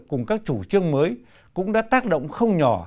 cùng các chủ trương mới cũng đã tác động không nhỏ